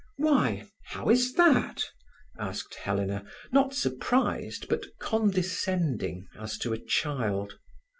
"Why, how is that?" asked Helena, not surprised, but condescending, as to a child.